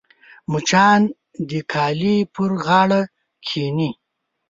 مچان د کالي پر غاړه کښېني